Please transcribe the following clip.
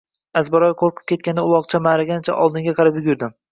Azbaroyi qoʻrqib ketgan uloqcha maʼraganicha oldinga qarab yugurdi